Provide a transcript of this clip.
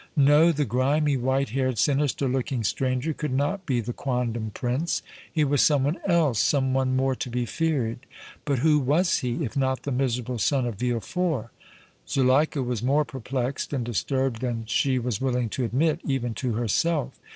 No, the grimy, white haired, sinister looking stranger could not be the quondam Prince; he was some one else, some one more to be feared. But who was he, if not the miserable son of Villefort? Zuleika was more perplexed and disturbed than she was willing to admit, even to herself.